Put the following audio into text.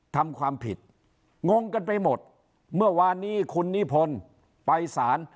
ทำความผิดงงกันไปหมดเมื่อวานนี้คุณนิพนธ์ไปสาร